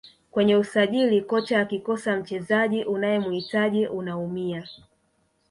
kwenye usajili kocha akikosa mchezaji unayemhitaji unaumia